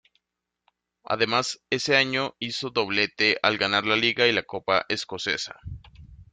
Además, ese año hizo doblete al ganar la Liga y la Copa escocesa.